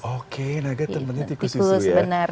oke naga temennya tikus